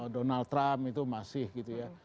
donald trump itu masih gitu ya